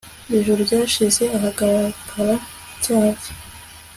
ijuru ryashyize ahagaragara icyaha cye